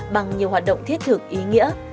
bằng nhiều hoạt động thiết thực ý nghĩa